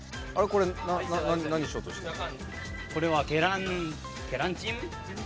これ何しようとしてんの？